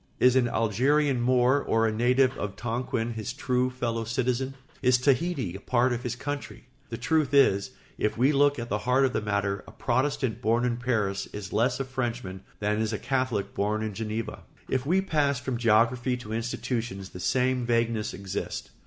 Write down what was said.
Is an Algerian Moor or a native of Tonquin his true fellow citizen? Is Tahiti a part of his "country"? The truth is, if we look at the heart of the matter, a Protestant born in Paris is less a Frenchman than is a Catholic born in Geneva. If we pass from geography to institutions the same vagueness exists.